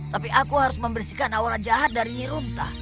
tapi aku harus membersihkan awal jahat dari nyirumta